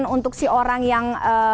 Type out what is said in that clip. untuk si orang yang